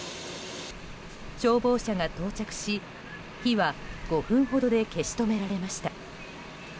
消防車が到着し、火は５分ほどで消し止められました。